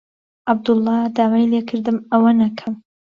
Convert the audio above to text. عەبدوڵڵا داوای لێ کردم ئەوە نەکەم.